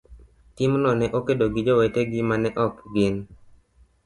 timno ne kedo gi jowetegi ma ne ok gin